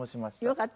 よかった。